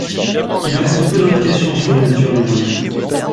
Il reste peu d'indications sur la nature du royaume.